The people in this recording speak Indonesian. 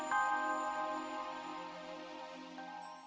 mungkin dia bisa root creating buat mobil hebat sekarang